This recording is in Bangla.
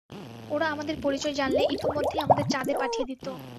ওরা আমাদের পরিচয় জানলে, ইতোমধ্যেই আমাদের চাঁদে পাঠিয়ে দিতো।